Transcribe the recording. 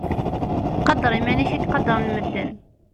Qader iman-ik ad ak-qadren medden.